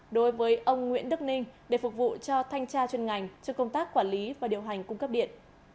đối với ông nguyễn đức ninh để phục vụ cho thanh tra chuyên ngành cho công tác quản lý và điều hành cung cấp điện